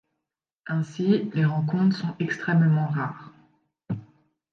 Ainsi, les rencontres sont extrêmement rares.